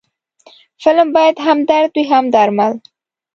فلم باید هم درد وي، هم درمل